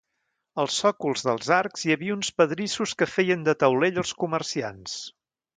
Als sòcols dels arcs hi havia uns pedrissos que feien de taulell als comerciants.